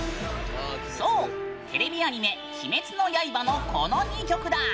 そう、テレビアニメ「鬼滅の刃」の、この２曲だ。